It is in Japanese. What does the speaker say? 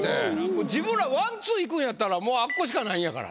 自分らワンツーいくんやったらもうあっこしかないんやからね。